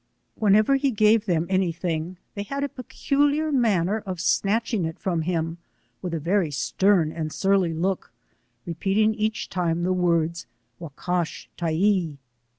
Whenever he gave them any thing, they had a peculiar manner of snatching it from him with a very stern and surly look, repeating ^ each time the words, fVocash Tyee.